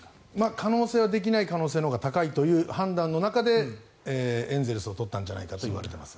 可能性はできない可能性のほうが高いという判断の中でエンゼルスを取ったんじゃないかといわれています。